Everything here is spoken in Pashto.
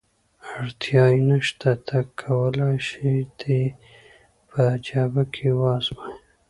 اړتیا یې نشته، ته کولای شې دی په جبهه کې وآزموېې.